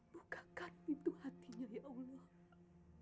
bukakan pintu hatinya ya allah